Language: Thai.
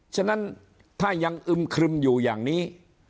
ฉะนั้นถ้ายังอึมครึมอยู่อย่างนี้